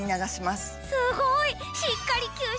すごい！